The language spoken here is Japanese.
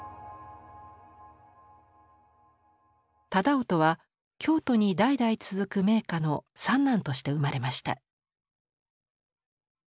楠音は京都に代々続く名家の三男として生まれました。